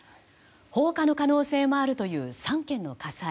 放火の可能性もあるという３件の火災。